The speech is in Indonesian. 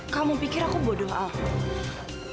kamu pikir aku gak bakal curiga